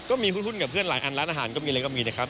ก็มีหุ้นกับเพื่อนหลายอันร้านอาหารก็มีอะไรก็มีนะครับ